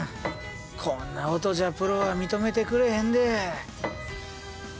こんな音じゃプロは認めてくれへんで。